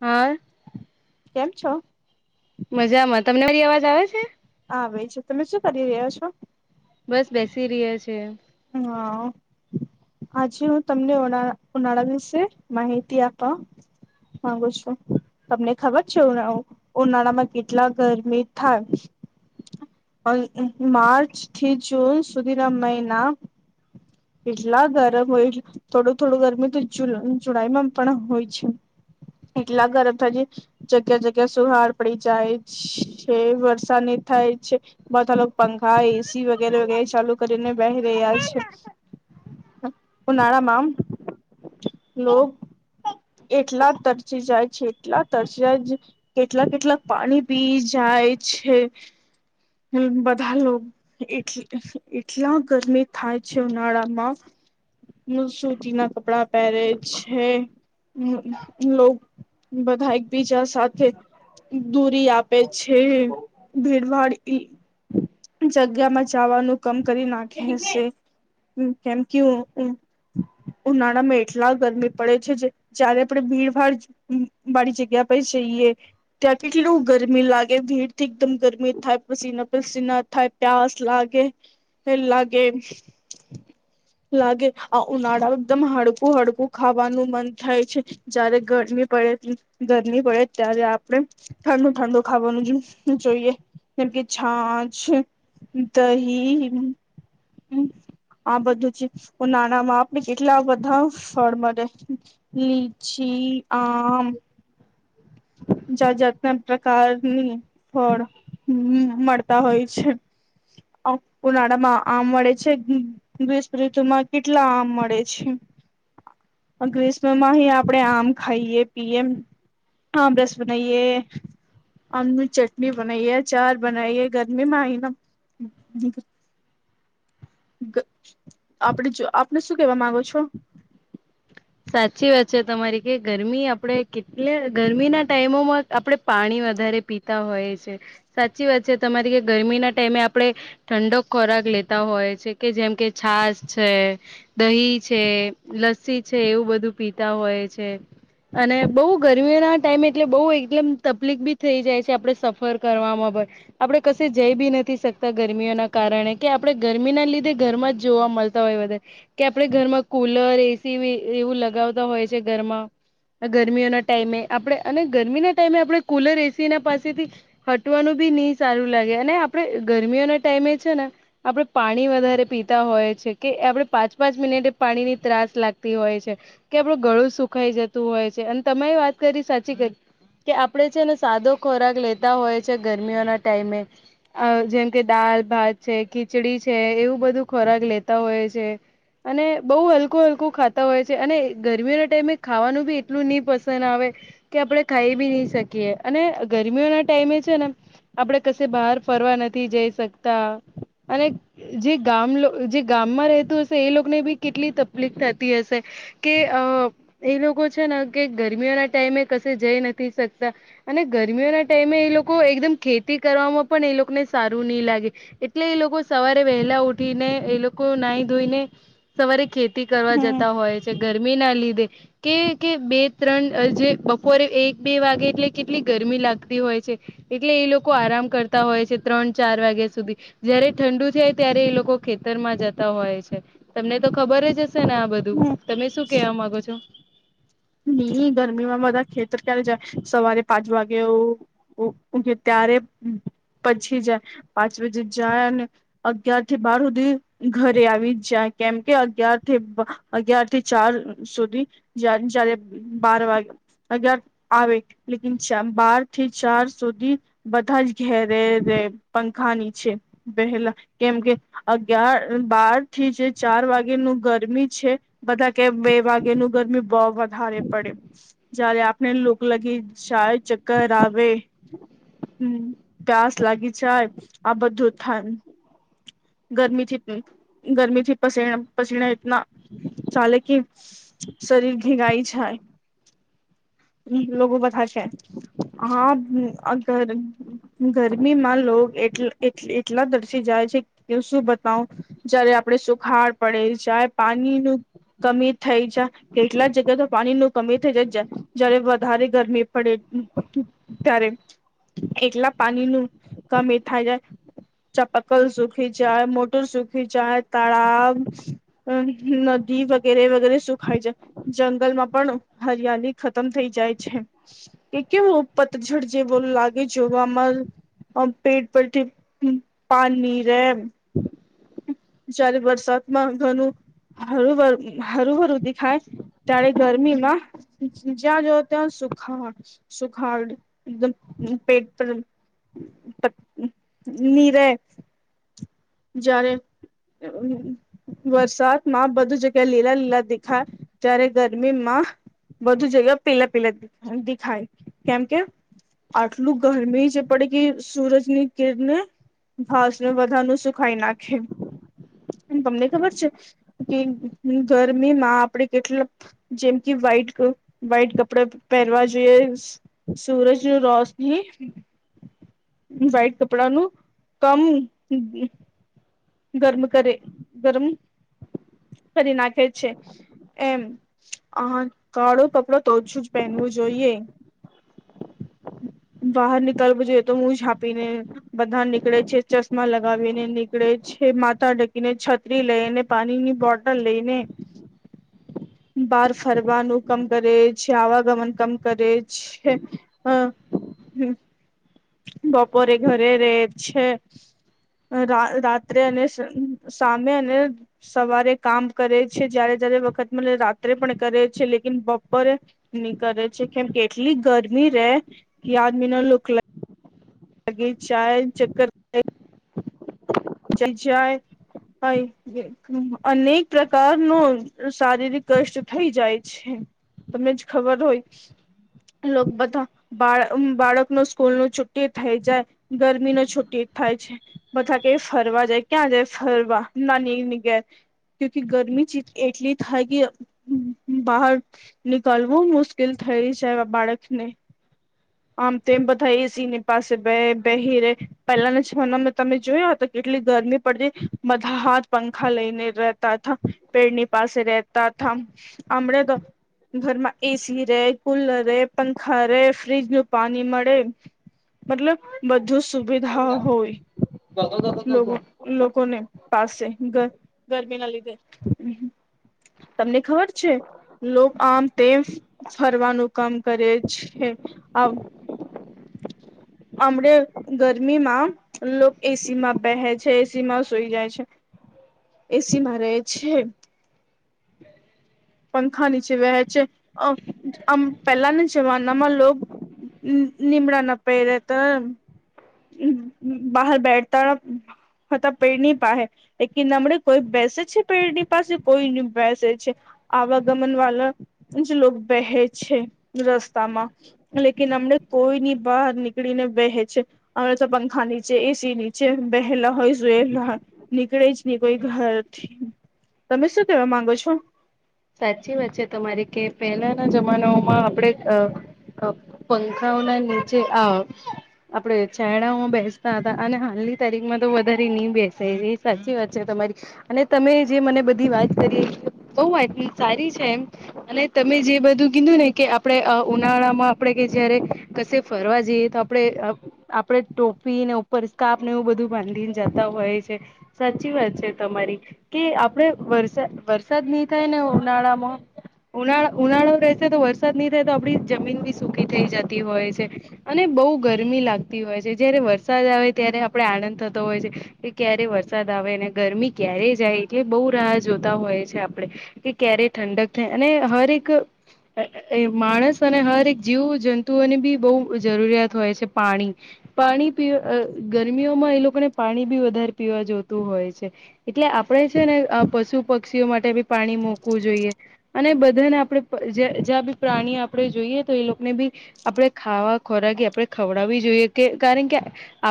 હા કેમ છો? મજામાં. તમને મારી અવાજ આવે છે? આવે છે. તમે શું કરી રહ્યા છો? બસ બેસી રહ્યા છે. હા આજે હું તમને ઉના ઉનાળા વિશે માહિતી આપ માંગુ છું. તમને ખબર છે ઉનાળું ઉનાળામાં કેટલા ગરમી થાય? પણ માર્ચ થી જૂન સુધીના મહિના એટલા ગરમ હોય. થોડું થોડું ગરમી તો જ જુલાઈમાં પણ હોય છે. એટલા ગરમ થજી જગ્યા જગ્યા સુહાર પડી જાય છે, વરસાદ નહી થાય છે. બધાં લોક પંખા, એસી વગેરે વગેરે ચાલુ કરીને બેહી રહ્યા છે. ઉનાળામાં લોક એટલા તરસી જાય છે એટલા તરસી જાય. કેટલા કેટલાક પાણી પી જાય છે. હમ બધા લોક એટ એટલા ગરમી થાય છે ઉનાળામાં. મુ સુતીના કપડાં પહેરે છે. હમ લોક બધા એકબીજા સાથે દૂરી આપે છે. ભીડભાડ ઈ જગ્યામાં જવાનું કમ કરી નાખે છે. કેમ કે ઉ ઉનાળામાં એટલા ગરમી પડે છે જે જયારે પણ ભીડભાડ વાડી જગ્યા પર જઈએ ત્યાં કેટલું ગરમી લાગે. ભીડથી એકદમ ગરમી થાય, પસીના પસીના થાય. પસ લાગે, લાગે, લાગે. ઉનાળા એકદમ હળકું હળકું ખાવાનું મન થાય છે. જારે ગરમી પડે, ગરમી પડે, ત્યારે આપણે ઠંડુ ઠંડુ ખાવાનું જોઈએ, જેમ કે છાછ દહી આ બધું છે, હું નાના બાપ બે કેટલા બધા ફળ મળે, લીચી આમ. જાત જાતના પ્રકારની ફળ મળતા હોય છે. ઉનાળામાં આમ વડળે છે. દસ ઋતુ માં કેટલા આમ મળે છે. ગ્રીસ્મમાં હ આપડે, આમ ખાઈએ, પીયએ આમ રસ. સુને. આ ચટણી બનાઈએ, ચાર બનાઈએ, ગરમીમાં આય ના. આપડ જો આપણે શું કેવા માંગો છો? સાચી વાત છે, તમારી કે ગરમી આપણે કેટલે ગરમીના ટાઈમોમાં આપણે પાણી વધારે પીતા હોય છે, સાચી વાત છે, તમારી કે ગરમી ના ટાઈમે આપણે. ઠંડક ખોરાક લેતા હોય છે, કે જેમ કે છાસ છે. દહી છે, લસ્સી છે, એવું બધું પીતા હોય છે. અને બહુ ગરમીઓ ના ટાઈમે એટલે બહુ એકદમ તકલીફ બી થઇ જાય છે, આપડે સફર કરવામાં પણ. આપણે કશે જઈ બી નથી શકતા, ગરમીઓના કારણે કે આપણે ગરમીના લીધે ઘરમાં જ જોવા મળત. હોય, વધારે કે આપણે ઘરમાં કુલર એસી એવું લગાવતા હોય છે ઘરમાં. ગરમીઓના ટાઈમે આપણે અને ગરમીના ટાઈમે આપણે કુલર એસીના પાસેથી. હટવાનું બી નહીં સારું લાગે, અને આપડે ગરમીઓના ટાઈમે છે ને. આપણે પાણી વધારે પીતા હોય છે કે, આપણે પાંચ પાંચ મિનિટ પાણીની ત્રાસ લાગે. હોય છે કે, આપણું ગળું સુખાઈ જતું હોય છે, અને તારી વાત કરી સાચી. કે આપડે છે ને, સાદો ખોરાક લેતા હોય છે, ગરમીઓના ટાઈમે. જેમ કે દાલ-ભાત છે, ખીચડી છે, એવું બધું ખોરાક લેતા હોય છે. અને બહુ હલકુ હલકુ ખાય. તા હોય છે, અને ગરમીઓના ટાઈમે ખાવાનું ભી એટલું નહીં પસંદ આવે. કે આપણે ખાઈ બી નહી શકીએ, અને ગરમીઓના ટાઈમે છે ને. આપડે કશે બહાર ફરવા નથી જઈ શકતા, અને જે ગામ જે ગામમાં રહેતું હશે, એ લોકોને બી કેટલી તકલીફ થાય. છે કે, અ એ લોકો છે ને કે, ગરમીઓના ટાઈમે કશે જઈ નથી શકતા. અને ગરમીઓના ટાઈમે એ લોકો એકદમ ખેતી કરવામાં પણ એ લોકોને સારું નહી લાગે. એટલે એ લોકો સવારે વહેલા ઉઠીને, એ લોકો નાહી ધોઈને. સવારે ખેતી કરવા હમ જતા હોય છે, ગરમીના લીધે. કે કે, બે-ત્રણ જે બપોરે, એક-બે વાગે, એટલે કેટલી ગરમી લાગતી હોય છે. એટલે એ લોકો આરામ કરતા હોય છે, ત્રણ-ચાર વાગ્યા સુધી. જયારે ઠંડુ થાય, ત્યારે એ લોકો ખેતરમાં જતા હોય છે, તમને તો ખબર જ હશે ને આ બધું. હમ તમે શું કેવા માંગો છો? હ, હ, ગરમીમાં બધા ખેતર ક્યારે જાય, સવારે પાંચ વાગી એ. ઉઠે કે, ત્યારે પછી જાય, પાંચ વાજે જાય, અને અગયાર થી બાર સુધી ઘરે આવી જ જાય, કેમ કે અગિયાર થી. અગિયાર થી ચાર સુધી જારે બાર વાગે. આવે, લેકીન બાર થી ચાર સુધી. બધા જ ઘેરે પંખાની છે, વહેલા. કેમ કે, અગિયાર બાર થી જે ચાર વાગેનું ગરમી છે. બધા કે બે વાગે ન ગરમી બહુ વધારે પડે. જયારે આપને લોકો લાગી શાય, ચક્કર આવે, હમ. પ્યાસ લાગી જાય, આ બધું થાય. ગરમીથી ગરમીથી પસે પસીણા એટના ચાલે કે શરીર ભેણાઈ જાય. હ લોકો બધા છે હા અગર ગરમીમાં લોગ એ એટલા દર્શી જાય છે. એ શું બતાવુ જયારે આપણે સુખાડ પડી જાય પાણીનું કમી થઈ જ કેટલા જગ્યા તો પાણીનું કમી થઈ જાય જ્યારે વધારે ગરમી પડે ત્યારે. એટલા પાણીનું કમી થઈ જાય. ચપલ સુખી જાય, મોટર સુખી, જાય તળાવ આ નદી વગેરે વગેરે સુખાઈ જાય જંગલમાં પણ હરિયાલી ખતમ થઈ જાય છે કે કેવું પતઝડ જેવો લાગે જોવામાં અ પેટ પરથી પાણીની રે [inaudible] જયારે વરસાદમાં ઘણું [unintelligible] હરું ભરું દેખાય ત્યારે ગરમીમાં જ્યાં જોવો ત્યાં સુક હોય. સુખાડ એકદમ પેટ પર [unintelligible] ની રે જયારે વરસાદમાં બધુ જગ્યા લીલા લીલા દેખાય ત્યારે ગરમીમાં બધું જગ્યા પીલા પીલા દેખાય કેમ કે આટલું ગરમી જ પડે કે સૂરજની કીરને ઘાસને વધાનું સુકાઈ નાખે એ તમને ખબર છે. કે ગરમીમાં આપડે કેટલા જેમ કે વ્હાઈટ વ્હાઈટ કપડા પહેરવા જોઈએ. સુૂરજ રોશની વાઈટ કપડાનું કમ ગરમ કરે ગરમ કરી નાખે છે. એમ આ કાળો કપડો તો ઓછું જ પહેનવું જોઈએ. બહાર નીકળવ જોઈએ તો મુહ છાપીને બધા નીકળે છે ચશ્મા લગાવીને નીકળે છે માથા ઢકીને છટ છત્રી લઈને પાણી ની બોટલ લઈને બહાર ફરવાનું કામ કરે છે આવાગમન કામ કરે છે. હા. હમ. બપોરે ઘરે રે છે. આ રા રાત્રે અને સા સામે અને સવારે કામ કરે છે જ્યારે જ્યારે વખત [unintelligible] રાત્રે પણ કરે છે લેકન બપોરે ની કરે છે કેમ કેટલી ગરમી રે કે આદમી ના લુક લ લગે ચાય ચક્કર જય જય હોય કે અનેક પ્રકાર નો શારીરિક કષ્ટ થઈ જાય છે. તમને જ ખબર હોય લોક બધા બાળ બાળક નું સ્કૂલ ન છુ્ટી થઈ જાય ગરમી નો છુ્ટી થાય છે. બધા કે ફરવા જાય ક્યાં જાય ફરવા નાનીને ઘેર ક્યુકી ગરમી એટલી થાય કે બહાર નીકળવું મુશ્કેલ થઈ છે બાળક ને આમ તો એમ બધા એ એસી પાસે બે બેહી રે. પહેલાના જમાનામાં તમે જોયા તો કેટલી ગરમી પડતી. બધા હાથ પંખા લઈને રહેતા થ પેડની પાસે રહેતા થા. આમળે તો ઘરમાં એસી રે કુલર રહેે પંખા રે ફ્રિજ ન પાણી મળે મતલબ બધું સુવિધા હોય કગલ લોકો કસ લોકોને પાસે ગર ગરમી ના લીધે તમને ખબર છે લોક આમ તેમ ફરવાનું કામ કરે છે આ હમણા ગરમીમાં લોકો એસી એસી માં બેહે છે એસી માં સોઈ જાય છે એસી માં રહે છે પંખા નીચે બેહે છે આઆમ પેલાના જમાનામાં લોગ નિ નિમ્ડા ના પ એરેત બહાર બેઠતાતા પેરની પાહે એ કે નમળે કોઈ બેસે છે પેઢની પાસે કોઈ ન બેસે છે. આવાગમન વાલા જ લોકો બેહે છે રસ્તામાં લેકિન અમને કોઈ ની બહાર નીકળીને વહે છે. હમે તો પંખા નીચે એસી નીચે બેહેલા હોય જોયલા હોય નીકળે જ નહી કોઈ ઘરથી તમે શું કેવા માંગો છો? સાચી વાત છે તમારી કે પહેલાના જમાનાઓમાં આપણે અ પંખાઓના નીચે આ આપડે છાયડામાં બેસતા હતા અને હાલની તારીખ માં તો વધારે નહી બેસે એ સાચી વાત છે તમારી અને તમે જે મને બધી વાત કરી બહુ વાત સારી છે એમ અને તમે જે બધું કીધું ને કે આપડણે અ ઉનાળા માં આપડણે કે જયારે કશે ફરવા જઈએ તો આપણે આપડે ટોપીને ઉપર સ્કાપ ને એવું બધું બાંધીને જતા હોય છે. સાચી વાત છે તમારી કે આપડે વરસા વરસાદ ની કઈ ને ઉ નાળમાં ઉનાળો ઉનાળો રહેશે તો વરસાદ નહી રે તો આપડી જમીન બી સુકી થઈ જાતી હોય છે. અને બહુ ગરમી લાગતી હોય છે જયારે વરસાદ આવે ત્યારે આપડે આનંદ થતો હોય છે કે ક્યારે વરસાદ આવે અને ગરમી ક્યારે જાય એટલે બહુ રાહ જોતા હોય છે કે ક્યારે ઠંડક થાય અને હરેક એ માણસ અને હર એક જીવ જંતુઓની બી બહુ જરૂરિયાત હોય છે પાણી પાણી પી અ ગરમીઓમાં એ લોકોને પાણી બી વધારે પીવા જોતું હોય છે એટલે આપડે છે ને અ પશુ પક્ષીઓ માટે બી પાણી મુકવું જોઈએ અને બધાને આપણે પ જ્યાં બી પ્રાણી આપણે જોઈએ તો એ લોકોને બી આપડે ખાવા ખોરાકી આપણે ખવડાવવી જોઈએ કે કારણ કે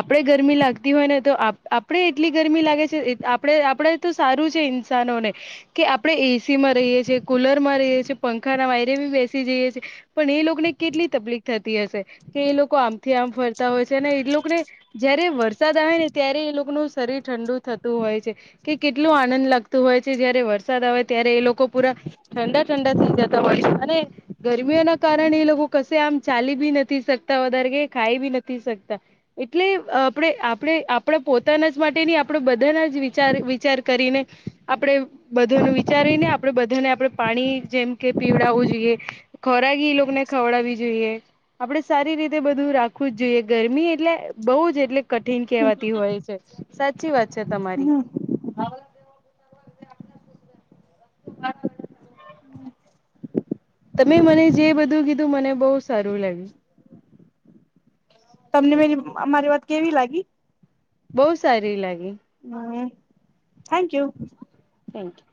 આપણેે ગરમી લાગતી હોય ને તો આપ આપણેે એટલી ગરમી લાગે છે આપણે આપણેે તો સારું છે ઇન્સાનો ને કે આપણે એસીમાં રહીએ છીએ કુલરમાં રહીએ છીએ પંખાના વાયરે બી બેસી જઈએ છીએ પણ એ લોકોને કેટલી તકલીફ થતી હશે કે એ લોકો આમથી આમ ફરતા હોય છે અને એ લોકોને જયારે વરસાદ આવે ને ત્યારે એ લોકોનું શરીર ઠંડુ થતું હોય છે કે કેટલું આનંદ લાગતું હોય છે જયારે વર વરસાદ આવે ત્યારે એ લોકો પૂરા ઠંડા ઠંડા થઈ જતા હોય છે અને ગરમીઓ ના કારણે એ લોકો કશે આમ ચાલી ભી નથી શકતા વધારે કે ખાઈ બી નથી શકતા એટલે આપણે આપણે આપણા પોતાના જ માટે ની આપણે બધાના જ વિચાર વિચાર કરીને આપણેે બધા ન વિચારીને આપડે બધાને આપડે પાણી જેમ કે પીવડાવવું જોઈએ ખોરાકી એ લોકોને ખવડાવવી જોઈએ આપડે સારી રીતે બધું રાખવું જ જોઈએ ગરમી એટલે બઉ જ એટલે કઠિન કહેવાતી હોય છે સાચી વાત છે તમારી તમે મને જે બધું કીધું મને બહુ સારું લાગ્યું તમને મે મારી વાત કેવી લાગી બહુ સારી લાગી હમ [inaudible] થેન્ક યુ થેન્ક યુ